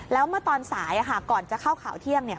แล้วเมื่อตอนสายก่อนจะเข้าข่าวเที่ยงเนี่ย